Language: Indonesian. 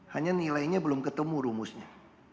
hanya nilainya belum ketemu rumusnya